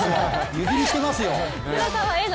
湯切りしてますよ。